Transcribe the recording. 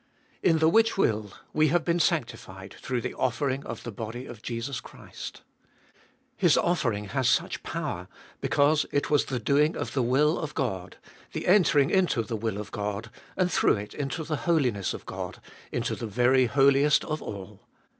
In the which will we have been sanctified through the offer ing of the body of Jesus Christ. His offering has such power, because it was the doing of the will of God, the entering into the will of God, and through it into the holiness of God, into the very Holiest of All.